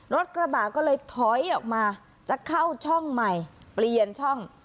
รถกระบะก็เลยถอยออกมาจะเข้าช่องใหม่เปลี่ยนช่อง